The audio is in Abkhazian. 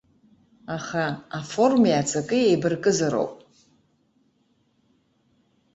Аха аформеи аҵаки еибаркызароуп.